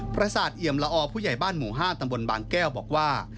พระศาสตร์เอียมลออร์ผู้ใหญ่บ้านหมู่ห้าตำบลบางแก้วบอกว่า